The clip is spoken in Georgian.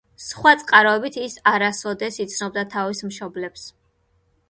სხვა წყაროებით ის არასოდეს იცნობდა თავის მშობლებს.